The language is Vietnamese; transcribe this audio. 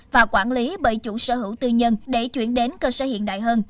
và quản lý bởi chủ sở hữu tư nhân để chuyển đến cơ sở hiện đại hơn